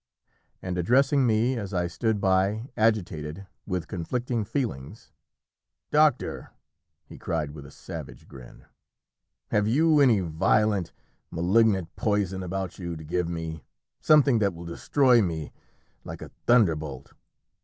And addressing me as I stood by agitated with conflicting feelings "Doctor," he cried with a savage grin, "have you any violent malignant poison about you to give me something that will destroy me like a thunderbolt?